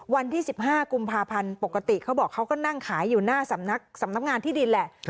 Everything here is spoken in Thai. วันที่๑๕กุมภาพันธ์ปกติเขาบอกเขาก็นั่งขายอยู่หน้าสำนักงานที่ดินแหละ